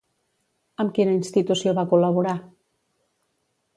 Amb quina institució va col·laborar?